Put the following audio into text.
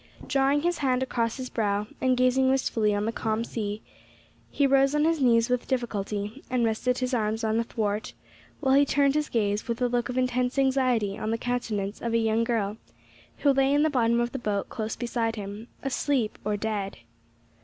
Drawing his hand across his brow, and gazing wistfully on the calm sea, he rose on his knees with difficulty, and rested his arms on a thwart, while he turned his gaze with a look of intense anxiety on the countenance of a young girl who lay in the bottom of the boat close beside him, asleep or dead.